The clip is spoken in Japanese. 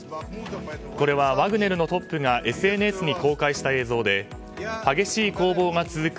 これはワグネルのトップがＳＮＳに公開した映像で激しい攻防が続く